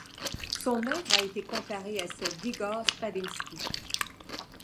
Son œuvre a été comparée à celle d'Igor Stravinsky.